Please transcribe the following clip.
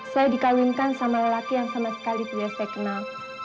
saya dikawinkan sama lelaki yang sama sekali punya saya kenal